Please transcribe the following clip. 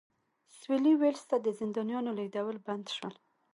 سوېلي ویلز ته د زندانیانو لېږدول بند شول.